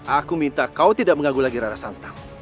aku minta kau tidak mengagul lagi laras sandang